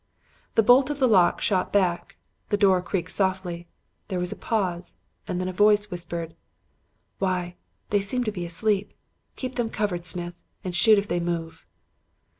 "The bolt of the lock shot back; the door creaked softly. There was a pause, and then a voice whispered: "'Why, they seem to be asleep! Keep them covered, Smith, and shoot if they move.'